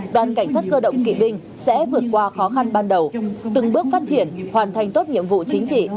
đoàn cảnh sát cơ động kỵ binh sẽ vượt qua khó khăn ban đầu từng bước phát triển hoàn thành tốt nhiệm vụ chính trị